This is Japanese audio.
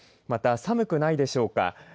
また寒くないでしょうか。